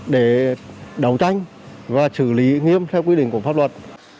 để đấu tranh và xử lý nghiêm theo quy định của pháp luật